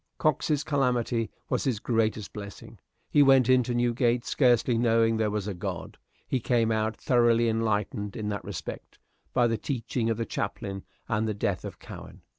Cox's calamity was his greatest blessing. He went into Newgate scarcely knowing there was a God; he came out thoroughly enlightened in that respect by the teaching of the chaplain and the death of Cowen.